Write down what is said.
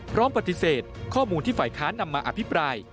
พร้อมปฏิเสธข้อมูลที่ฝ่ายค้านนำมาอภิปราย